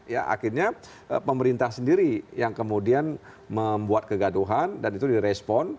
ya akhirnya pemerintah sendiri yang kemudian membuat kegaduhan dan itu direspon